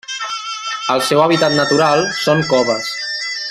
El seu hàbitat natural són coves.